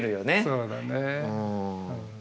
そうだね。